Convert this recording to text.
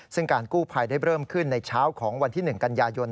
ซึ่งการกู้ภัยได้เริ่มขึ้นในเช้าของวันที่๑กันยายน